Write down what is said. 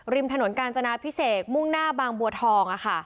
ริมถนนกาญจนาพิเศษมุ่งหน้าบางบัวทอง